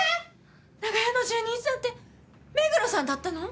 「長屋の住人さん」って目黒さんだったの？